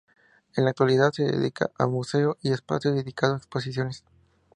En la actualidad se dedica a museo y espacio dedicado a exposiciones.